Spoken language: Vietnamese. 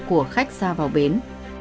của khách ra vào bến